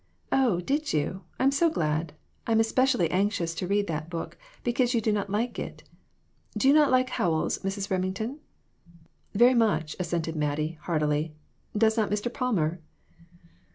"Oh, did you? I'm so glad! I'm especially anxious to read that book because you do not like it. Do you not like Howells, Mrs. Remington ?" "Very much," assented Mattie, heartily. "Does not Mr. Palmer?"